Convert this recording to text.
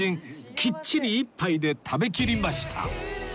きっちり１杯で食べきりました